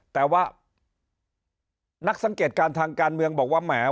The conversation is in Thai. แต่ว่านักสังเกตการณ์ทางการเมืองบอกว่าแหม